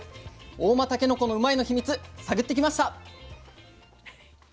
合馬たけのこのうまいッ！のヒミツ探ってきました。